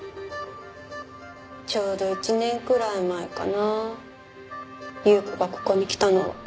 ちょうど１年くらい前かな優子がここに来たのは。